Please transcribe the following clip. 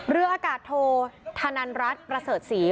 เรืออากาศโทธนันรัฐประเสริฐศรี